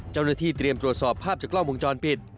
เจ้าหน้าที่เตรียมตรวจสอบภาพจากกล้องวงจรปิด